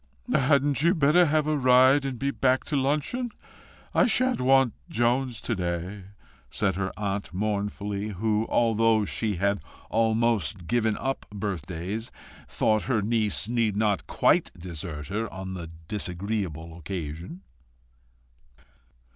"Hadn't you better have a ride and be back to luncheon? I shan't want Jones to day," said her aunt mournfully, who, although she had almost given up birthdays, thought her niece need not quite desert her on the disagreeable occasion.